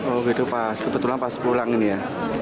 oh gitu pas kebetulan pas pulang ini ya